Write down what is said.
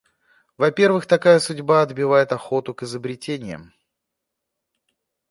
Во-первых, такая судьба отбивает охоту к изобретениям.